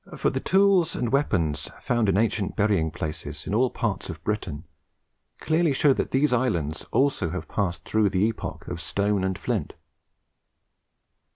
For, the tools and weapons found in ancient burying places in all parts of Britain clearly show that these islands also have passed through the epoch of stone and flint.